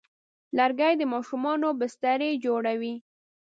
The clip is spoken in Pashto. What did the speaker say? لرګی د ماشومانو بسترې جوړوي.